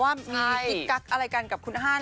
ว่ามีอะไรกันกับคุณฮ่าน